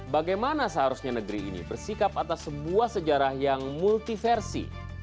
bagaimana seharusnya negeri ini bersikap atas sebuah sejarah yang multiversi